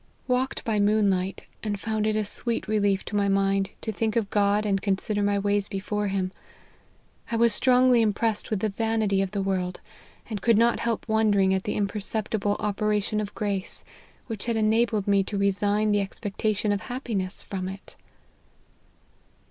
" Walked by moonlight, and found it a sweet relief to my mind to think of God and consider my ways before him. I was strongly impressed with the vanity of the world, and could not help wondering at the imperceptible operation of grace, which had enabled me to resign the ex pectation of happiness from it."